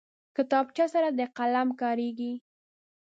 کتابچه سره د قلم کارېږي